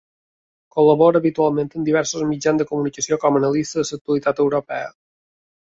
Col·labora habitualment en diversos mitjans de comunicació com a analista de l’actualitat europea.